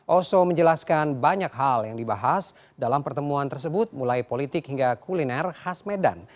oso menjelaskan banyak hal yang dibahas dalam pertemuan tersebut mulai politik hingga kuliner khas medan